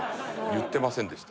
言ってませんでした。